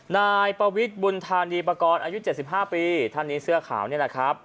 นายปวิทย์บุญธานีปากรอายุ๗๕ปีท่านนี้เสื้อขาวนี่แหละครับ